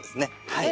はい。